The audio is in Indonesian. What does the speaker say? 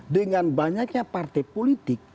dengan banyaknya partai politik